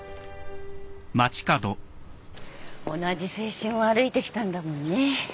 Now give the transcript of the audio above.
同じ青春を歩いてきたんだもんね。